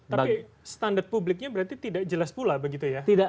tapi standar publiknya berarti tidak jelas pula begitu ya